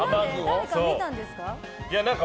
誰か見たんですか？